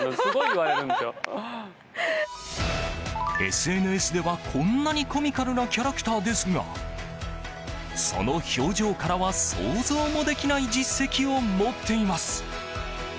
ＳＮＳではこんなにコミカルなキャラクターですがその表情からは想像もできない実績を持っています。